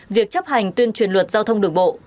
việc chấp hành tuyên truyền luật giao thông đường bộ